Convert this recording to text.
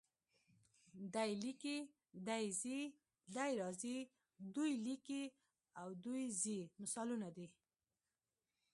دی لیکي، دی ځي، دی راځي، دوی لیکي او دوی ځي مثالونه دي.